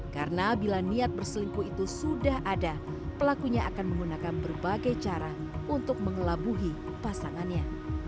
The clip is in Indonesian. karena bila niat berselingkuh itu sudah ada pelakunya akan menggunakan berbagai cara untuk mengelabuhi pasangannya